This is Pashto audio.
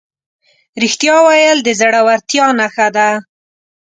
رښتیا ویل د زړهورتیا نښه ده.